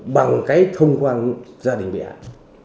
bằng cái thông quan gia đình bị hại